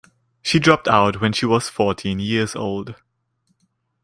She dropped out when she was fourteen years old.